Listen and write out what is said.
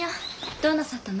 どうなさったの？